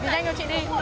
vì nhanh hơn chị đi